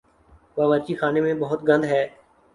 باورچی خانے میں بہت گند ہے